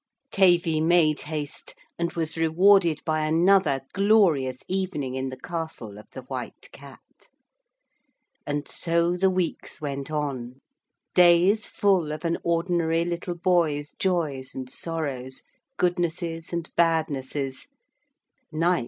Tavy made haste, and was rewarded by another glorious evening in the castle of the White Cat. And so the weeks went on. Days full of an ordinary little boy's joys and sorrows, goodnesses and badnesses.